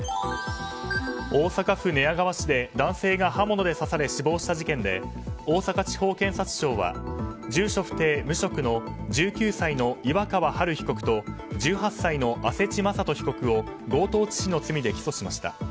大阪府寝屋川市で男性が刃物で刺されて死亡した事件で大阪地方検察庁は住所不定・無職の１９歳の岩川榛被告と１８歳の阿世知雅斗被告を強盗致死の罪で起訴しました。